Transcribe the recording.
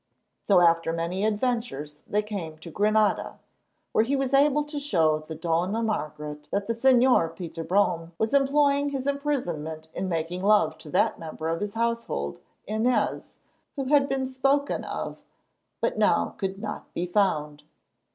So after many adventures they came to Granada, where he was able to show the Dona Margaret that the Señor Peter Brome was employing his imprisonment in making love to that member of his household, Inez, who had been spoken of, but now could not be found.